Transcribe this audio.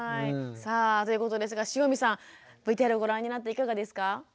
さあということですが汐見さんＶＴＲをご覧になっていかがですか？